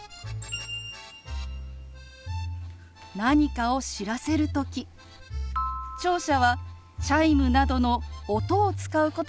何かを知らせる時聴者はチャイムなどの音を使うことが多いですよね。